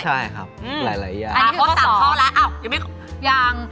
ใช่ครับหลายอย่าง